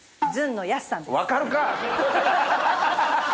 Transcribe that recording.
分かるか！